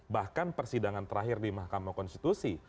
bahkan persidangan terakhir di mahkamah konstitusi